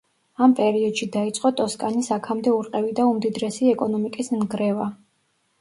ამ პერიოდში დაიწყო ტოსკანის აქამდე ურყევი და უმდიდრესი ეკონომიკის ნგრევა.